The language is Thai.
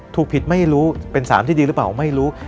ถูกผิดไม่รู้เป็นสารที่ดีหรือเปล่าไม่รู้